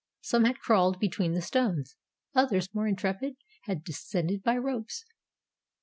Some had crawled between the stones; others, more intrepid, had descended by ropes.